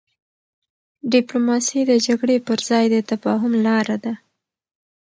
ډيپلوماسي د جګړې پر ځای د تفاهم لاره ده.